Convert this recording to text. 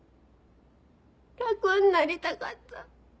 楽になりたかった。